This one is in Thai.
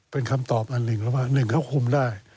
เป็นคำตอบอันหนึ่งแล้วว่าหนึ่งเขาคุมได้